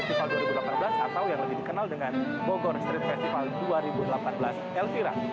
atau yang lebih dikenal dengan bogor street festival dua ribu delapan belas elvira